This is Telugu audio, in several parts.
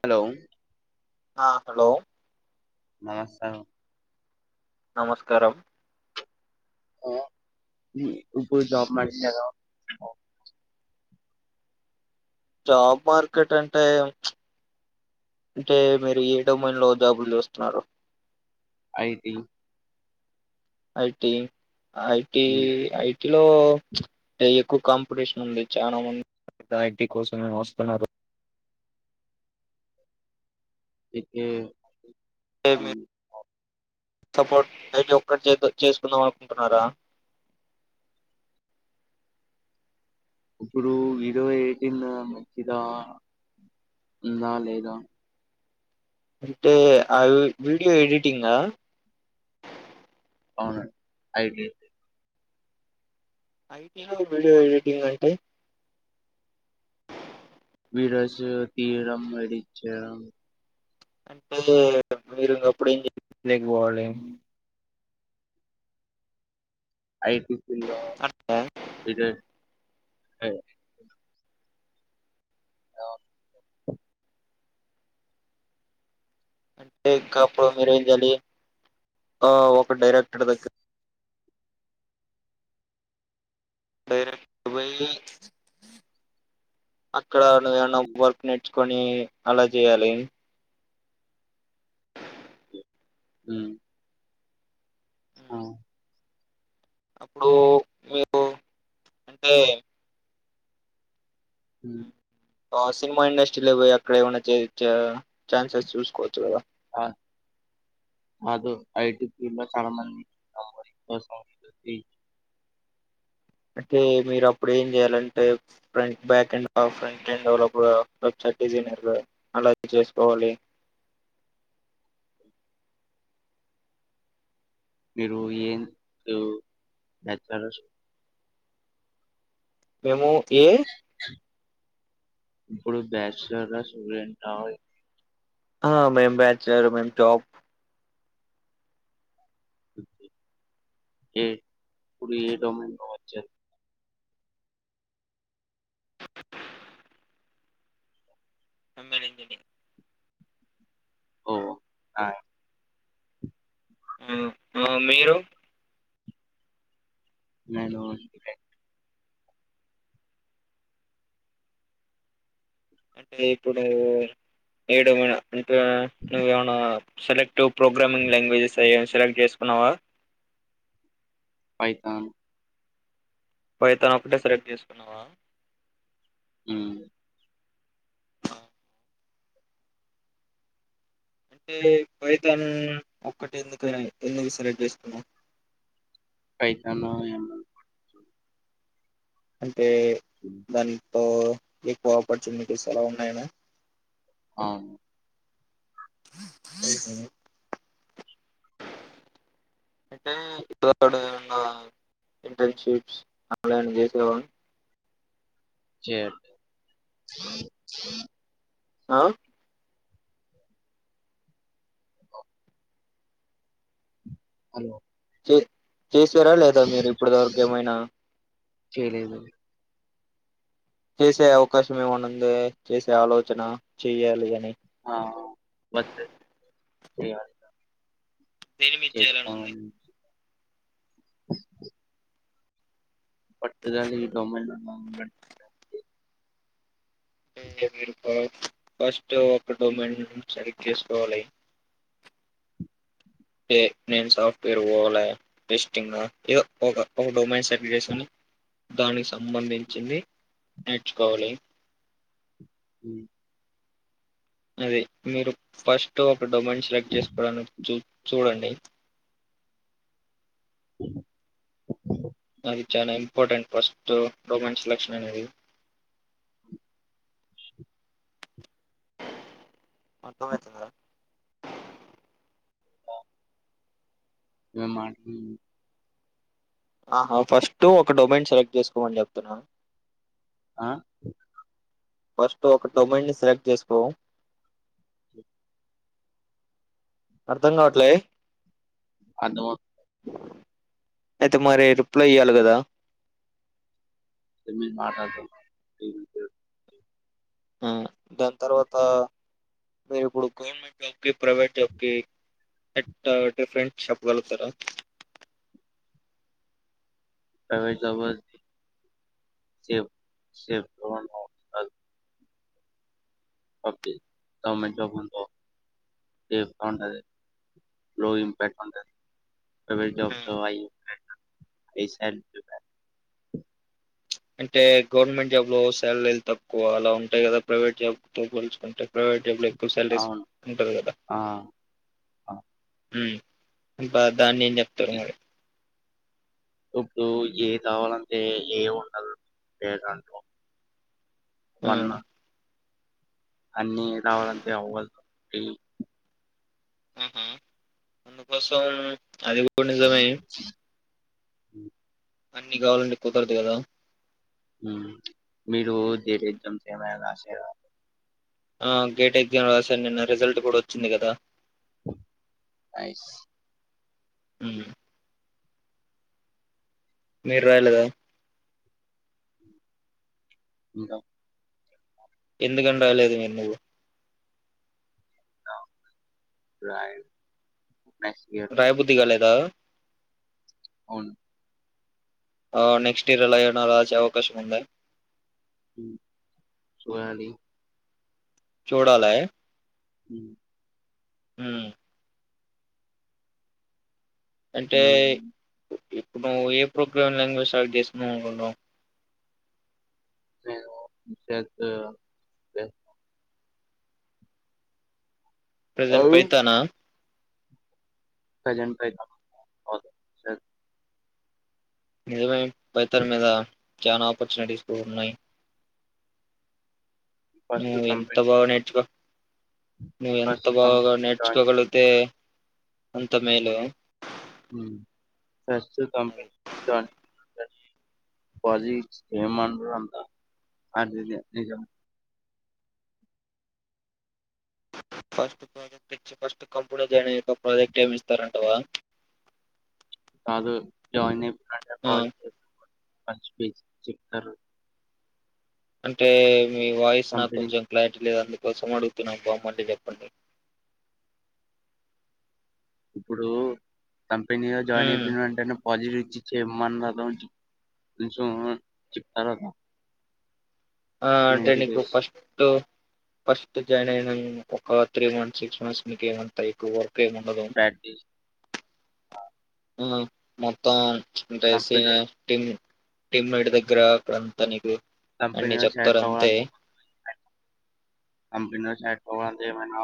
హలో ఆ హలో [unintelligible] నమస్కారం జాబ [unintelligible] జాబ్ మార్కెట్ అంటే అంటే మీరు ఏడో మనిలో జాబులు చూస్తున్నారు ఐటి అయిటి ఐటి ఐటిలో ఎక్కువ కాంపిటీషన్ ఉంది చాలా మంది ఐటీ కోసమే వస్తున్నారు. కే [unintelligible] ఏ మే సపోర్ట్ నే ఒక్క చేసుకుందాం అనుకుంటున్నారా ఇప్పుడు ఇరవై ఎయిటీన్ మంచిదా ఉందా లేదా అంటే ఆ వీడియో ఎడిటింగ్ అవునండి ఐటి అయితే ఐటీలో వీడియో ఎడిటింగ్ అంట [unintelligible] అంటే మీరు ఇంకప్పుడు ఏం చేలేకపోవాలి ఐటి పిల్డ్ లో అంటే అ అవు అంటే ఇంక ఆప్పుడు మీరు ఏం చేయాలి ఆ ఒక డైరాక్టర్ దగ్గర డైరెక్ట్ పోయి ఇక్కడ [unintelligible] కొని అలా చేయాలి హు అ అప్పుడు మీరు అంటే హు ఆ సినిమా ఇండస్ట్రీలో పోయి అక్కడే ఉన్న ఛాన్స్ చూసుకోవచ్చు కదా కాదు ఐటీ ఫీల్డ్ లో చాలా మంది అంటే మీరు అప్పుడు ఏం చేయాలంటే from back end front end వా. ళ కూడా వెబ్సైట్ డిజైనర్ అలాది చేసుకోవాలి మీరు ఏం బ్యాచిలర్ ఆ మేము ఏ ఇప్పుడు బ్యాచిలర్ స్టూడెంట్ ఆ ఆ మేం బ్యాచిలర్ మే టాప్ ఏ ఇప్పుడు [unintelligible] [unintelligible] ఓ ఆ మీరు నేను అంటే ఇప్పుడు ను వయడమనా అంటే నువ ఏమైనా సెలెక్ట్ ప్రోగ్రామింగ్ లాంగ్వేజెస్ దానికి చేసుకున్నావా పైతాన్ పైథాన్ ఒకటే సెలెక్ట్ చేసుకున్నావా. హ్మ్ అంటే ఫైథాన్ ఒక్కటి ఎందుకని ఎందుకు సెలెక్ట్ చేసుకున్నావ్. ఫైథానో ఏమున్ తే దాన్ని తో ఎక్కువ ఆపర్చునిటీస్ అలా ఉన్నాయనా అవున్ మ్మ్ హ్మ్ అంటే ఇప్పుడు ఆడ ఏదన్న ఇంటర్న్‌షిప్స్ ఆన్లైన్ చేసేవా చేట్ ఆ ఒ హలో చే చేసారా లేదా మీరు ఇప్పడువరకు ఏమైనా చేయలేదు చేసే అవకాశం ఏమైన్నా ఉంది చేసే ఆలోచన చెయ్యాలి అని ఆ వచ్చే చేయాలి కా దీని మీద చేయాలని ఉంది పట్టుదల ఈ డొమైన్ [unintelligible] టే మీరు ఆ ఫస్ట్ ఒక డొమైన్ సరి చేసుకోవాలి ఏ నేను సాఫ్ట్వేర్ పోవాలా టెస్టింగా ఏదో ఒక ఒక డొమైన్ సెట్ జేసుకొని దానికి సంబంధించింది నేర్చుకోవాలి మ్మ్ అది మీరు ఫస్ట్ డొమైన్ సెలెక్ట్ చేసుకోడానికి చూ చూడండి ఆ అది చానా ఇంపార్టెంట్ ఫస్టు డొమైన్ సెలక్షన్ అనేది అర్ధమయితుందా ఆ మేం ఆ టీమ్ ఆహా ఫస్ట్ ఒక డొమైన్ సెలెక్ట్ చేసుకోమని చెప్తున్నా ఆ ఫస్ట్ ఒక డొమైన్ ని సెలెక్ట్ చేసుకో అర్థం కావట్లే అర్ధమవు అయితే మరి రిప్లై ఇయ్యాలి కదా టెన్ మినిట్ మాటాడ్తా [unintelligible] ఆ దాని తర్వాత మీరు ఇప్పుడు గవర్నమెంట్ జాబ్ కి ప్రైవేట్ జాబ్ కి ఎట్ట డిఫరెంట్ చెప్పగలుగుతారా. ప్రైవేట్ జాబ్ సేమ్ సేమ్ అవు ఫస్ట్ ది గవర్నమెంట్ జాబ్ అనుకో సేఫ్ గా ఉంటది. లో ఇంపాక్ట్ ఉంటది. ప్రైవేట్ జాబ్ చాలా [unintelligible] రీసెంట్ గా అంటే గవర్నమెంట్ జాబ్ లో సాలరీలు తక్కువ అలా ఉంటాయి కదా ప్రైవేట్ జాబ్ తో పోలుచుకుంటే ప్రైవేట్ ఎంప్లొయ్ ఫుల్ శాలరీస్ అవును ఊకె చూడద్ద ఆ ఆ! ఉ [unintelligible] దాన్ని ఏం చెప్తరు మరి ఇప్పుడు ఏం కావాలంటే ఏం ఉండదు బేగా అంటం ఆ వన్నా అన్ని రావాలంటే అవ్వదు [inaudible] ఆహా అందుకోసం అది కూడా నిజమే ఉ అన్ని కావాలంటే కుదరదు కదా ఉ మీరు గేట్ ఎగ్జామ్స్ ఎమైన రాశారా ఆ గేట్ ఎగ్జామ్ రాసాను నిన్న రిజల్ట్ కూడా వచ్చింది కదా నైస్ ఉ మీరు రాయాలేదా ఇంకా ఎందుకు అంట లేదు నువ్వు రాయ రాయబుద్ది కాలేదా అవును ఆ నెక్స్ట్ ఇయర్ ఎలా అయినా రాసె అవకాశం ఉందా చూడాలి చూడాలా ఉ ఉ అంటే నేను నువ్ ఏ ప్రోగ్రామ్ లాంగ్వేజ్ స్టార్ట్ చేస్తున్నావ్ అనుకుంటున్నావ్ నేను జస్ట్ జస్ ప్రెజెంట్ అవ్ పైథాన్ ఆ ప్రజెంట్ పైథాన్ [inaudible] నిదవై పైథాన్ మీద చానా ఆపర్చునిటీస్ కూడా ఉన్నాయి ఫస్ట్ నువ్ ఎంత కంపెనీ బాగ నేర్చుకో నువ్ ఎంత ఫస్ట్ బాగా కంపెనీ జాయిన్ నేర్చుకోగలిగితే అంత మేలే ఉమ్ ఫస్ట్ కంపెనీ [unintelligible] ఫస్ట్ ప్రాజెక్ట్ ఇచ్చి ఫస్ట్ కంపెనీలో జాయిన్ అయ్యాక ప్రాజెక్ట్ ఏమి ఇస్తారంటవా కాదు జాయిన్ అయ్ ఆ బేసిక్స్ చెప్తారు. అంటే మీ వాయిస్ నాకు కంపెనీ కొంచెం క్లారిటీ లేద్ అందుక కోసం అడుగుతున్నా ఫార్మాలిటీ చెప్పండి ఇప్పుడూ కంపెనీలో జాయిన్ ఉమ్ అయిపోయిన వెంటనే పజిల్ ఇచ్చి చేయమన్నారు [inaudible] తర్వాత ఆ అంటే నీకు ఫస్టు ఫస్ట్ జాయిన్ అయిన ఒక త్రీ మంత్స్ సిక్స్ మంత్స్ మీకు ఏమంత ఎక్కువగా కే ముండదు ప్రాక్టీస్ హుమ్ మొత్తం అంటే కంపెనీ సీనియర్ టీమ్ టిమ్ ఏడి దగ్గర అక్కడంతా నీకు అన్నీ చెప్తారంతే కంపెనీ లో సెలెక్ట్ అవాలంటే ఏమైనా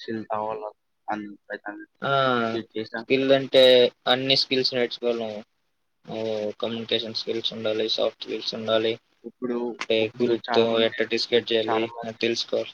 స్కిల్ కావాలా అం ఆ స్కిల్ అంటే అన్ని స్కిల్స్ నేర్చు కమ్యూనికేషన్ స్కిల్స్ ఉండాలి సాఫ్ట్ స్కిల్స్ ఉండాలి ఇప్పుడు అంటే ఇప్పుడు గ్రూప్ తో చాలా మంది ఎట్ట డిస్కస్ ఇప్పుడు చేయాలి చాలా అది మంది తెలుసుకోవాలి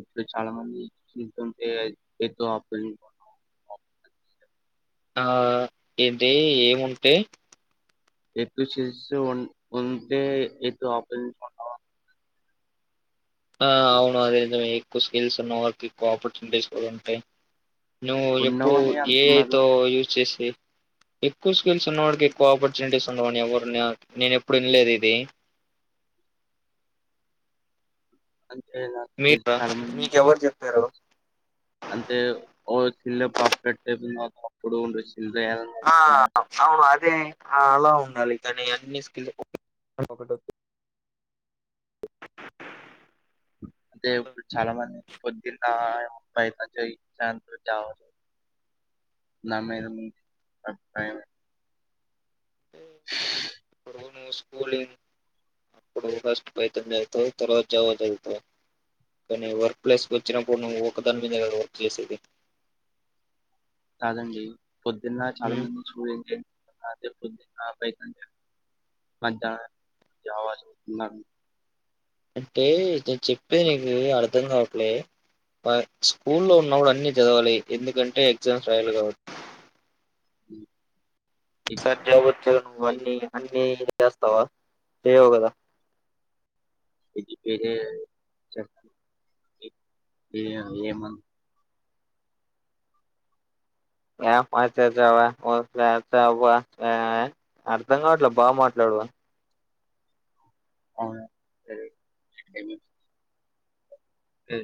ఇప్పుడు చాలా మంది ఉంటే ఎక్కువ ఆ ఇదే ఏముంటే ఎగ్ సేసి ఉంటే ఎగ్ ఆ అవును అదేదో ఎక్కువ స్కిల్స్ ఉన్న వార్కి ఎక్కువ ఆపర్చునిటీస్ కూడా ఉంటాయి నువ్వు ఎప్పుడు ఉండవని ఏఐ అంటున్నారు తో యూజ్ చేసి ఎ ఎక్కువ స్కిల్స్ ఉన్నోడికి ఎక్కువ ఆపర్చునిటీస్ ఉండవని ఎవరు నా నేను ఎప్పుడు వినలేదు ఇది అంటే నాకు మీక తెలిసి చాలా మంది మీకెవరు చెప్పారు అంటే ఓ చిల్ల పర్ఫెట్ టేబుల్ అప్పుడు ఉండచ్చు ఆ అవును అదే అలావున్ వాలకని అన్ని స్కిల్స్ [inaudible] అదే ఇప్పుడు అర్థమైందా చాలా మంది పొద్దున్నా భయితయి సాంత జవ నమ [inaudible] అంటే ఇప్పుడు నువ్వు స్కూలింగ్ అప్పుడు ఫస్ట్ పైతాన్ చదువుతావు తర్వాత జావా చదువుతావు కానీ వర్క్ ప్లేస్ కి వచ్చినప్పుడు నువ్వు ఒకదాని మీద కదా వర్క్ చేసేది కాదండి పొద్దున్న చాలా ఉమ్. మంది చూసుంటే పొద్ ఆకైతుం మధ ఆవాజ ఉతున్నారు [inaudible] అంటే నేను చెప్పేది నీకి అర్ధం కావట్లే పా స్కూల్లో ఉన్నప్పుడు అన్నీ చదవాలి ఎందుకంటే ఎగ్జామ్స్ రాయలు కాబట్టి ఇది సరిజవుతువ నువ్ అన్నీ అన్న [inaudible] మీ దస్తావా చెయ్యవ్ కద ది ఏ మ మన్నా [inaudible] ఆచ చవాఓ అవ్వ ఆ అర్ధం కావట్లే బాగా మాట్లాడువా [inaudible] అ సరే ఏ